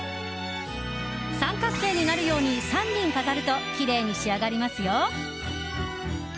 三角形になるように３輪飾るときれいに仕上がりますよ。